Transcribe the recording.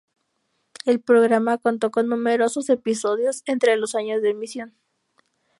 El programa contó con numerosos episodios entre los años de emisión.